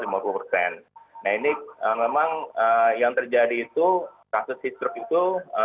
nah ini memang yang terjadi itu kasus heat stroke itu